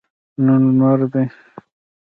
نن لمر دی